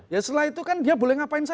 ya setelah itu kan dia boleh ngapain saja